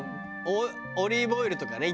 オリーブオイルとかね